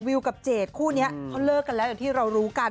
กับเจดคู่นี้เขาเลิกกันแล้วอย่างที่เรารู้กัน